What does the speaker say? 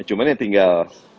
cuman ya tinggal